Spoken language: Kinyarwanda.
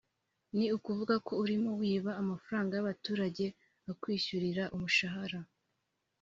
ni ukuvuga ko urimo wiba amafaranga y’abaturage akwishyurira umushahara